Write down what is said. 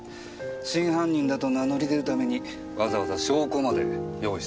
真犯人だと名乗り出るためにわざわざ証拠まで用意してましたからね。